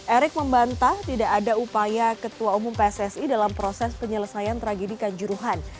erick membantah tidak ada upaya ketua umum pssi dalam proses penyelesaian tragedi kanjuruhan